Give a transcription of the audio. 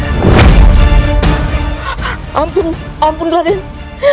ketika paman menutupi rahasia ini